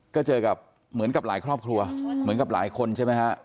ก็เจอกับเหมือนกับหลายครอบครัวเหมือนกับหลายคนใช่ไหมฮะ